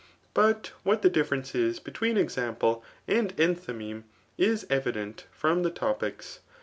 But what the difference is between cnm^ fde and enthymeme is evident from the Topics.